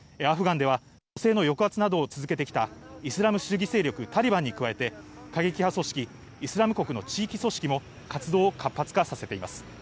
アフガンでは女性などへの抑圧を続けてきたイスラム主義勢力・タリバンに加え、過激派組織「イスラム国」の地域組織も活動を活発化させています。